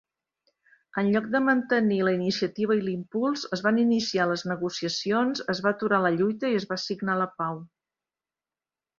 En lloc de mantenir la iniciativa i l'impuls, es van iniciar les negociacions, es va aturar la lluita i es va signar la pau.